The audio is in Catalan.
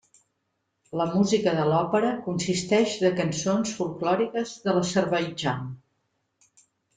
La música de l'òpera consisteix de cançons folklòriques de l'Azerbaidjan.